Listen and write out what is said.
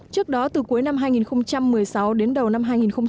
trước đó từ cuối năm hai nghìn một mươi sáu đến đầu năm hai nghìn một mươi chín